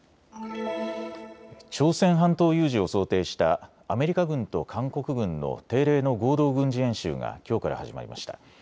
朝鮮半島有事を想定したアメリカ軍と韓国軍の定例の合同軍事演習がきょうから始まりました。